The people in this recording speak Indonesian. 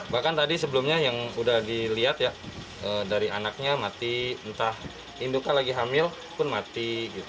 bahkan tadi sebelumnya yang sudah dilihat ya dari anaknya mati entah induka lagi hamil pun mati